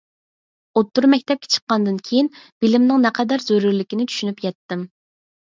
ئوتتۇرا مەكتەپكە چىققاندىن كېيىن، بىلىمنىڭ نەقەدەر زۆرۈرلۈكىنى چۈشىنىپ يەتتىم.